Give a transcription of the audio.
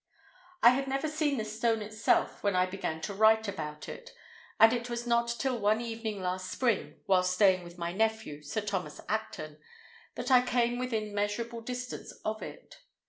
I had never seen the stone itself when I began to write about it, and it was not till one evening last spring, while staying with my nephew, Sir Thomas Acton, that I came within measurable distance of it.